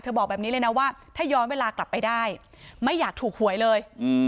บอกแบบนี้เลยนะว่าถ้าย้อนเวลากลับไปได้ไม่อยากถูกหวยเลย